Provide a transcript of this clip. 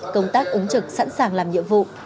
công tác ứng trực sẵn sàng làm nhiệm vụ